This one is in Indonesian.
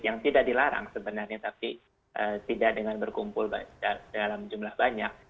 yang tidak dilarang sebenarnya tapi tidak dengan berkumpul dalam jumlah banyak